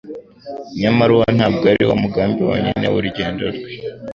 Nyamara uwo ntabwo ari wo mugambi wonyine w'urugendo rwe.